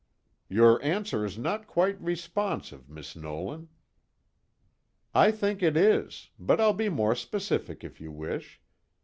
"Your answer is not quite responsive, Miss Nolan." "I think it is, but I'll be more specific if you wish.